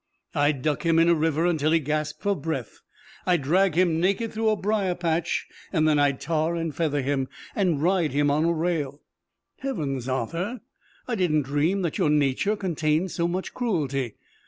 I'd duck him in a river until he gasped for breath, I'd drag him naked through a briar patch, and then I'd tar and feather him, and ride him on a rail." "Heavens, Arthur! I didn't dream that your nature contained so much cruelty!